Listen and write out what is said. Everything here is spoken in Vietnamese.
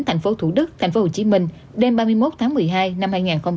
thành phố thủ đức thành phố hồ chí minh đêm ba mươi một tháng một mươi hai năm hai nghìn hai mươi một